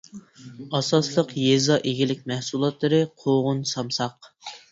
ئاساسلىق يېزا ئىگىلىك مەھسۇلاتلىرى قوغۇن، سامساق.